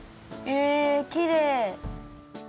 えきれい！